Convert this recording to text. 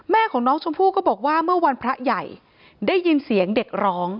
แม่ของน้องชมพู่ก็บอกว่าเมื่อวันพระใหญ่ได้ยินเสียงเด็กร้อง